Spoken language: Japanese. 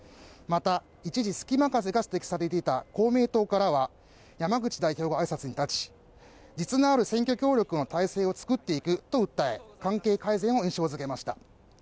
また、一時、隙間風が指摘されていた公明党からは山口代表が挨拶に立ち、実のある選挙協力の体制を作っていくと訴え関係改善を印象づけました。